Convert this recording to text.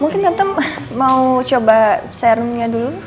mungkin tante mau coba serumnya dulu